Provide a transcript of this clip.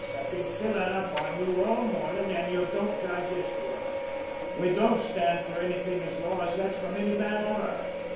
I've been filling up on you all morning, and you don't digest well. We don't stand for anything as raw as that from any man on earth.